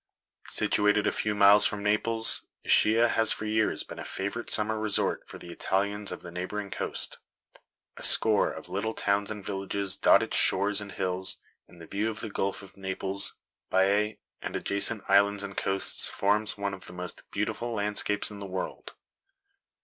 Situated a few miles from Naples, Ischia has for years been a favorite summer resort for the Italians of the neighboring coast. A score of little towns and villages dot its shores and hills, and the view of the Gulf of Naples, Baiae, and adjacent islands and coasts forms one of the most beautiful landscapes in the world.